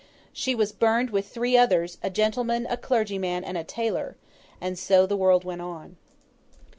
She was burned with three others, a gentleman, a clergyman, and a tailor; and so the world went on.